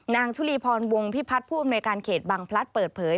ชุลีพรวงพิพัฒน์ผู้อำนวยการเขตบังพลัดเปิดเผย